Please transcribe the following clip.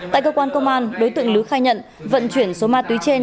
tại cơ quan công an đối tượng lứ khai nhận vận chuyển số ma túy trên